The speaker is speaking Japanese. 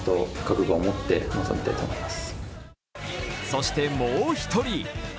そして、もう一人。